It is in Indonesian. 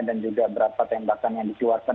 dan juga berapa tembakan yang dikeluarkan